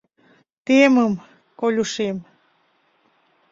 — Темым, Колюшем...